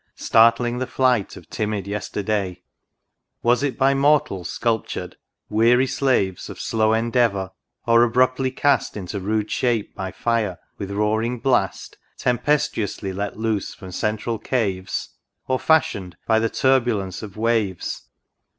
Startling the flight of timid Yesterday ! Was it by mortals sculptured ?— weary slaves Of slow endeavour ! or abruptly cast Into rude shape by fire, with roaring blast Tempestuously let loose from central caves ? Or fashioned by the turbulence of waves.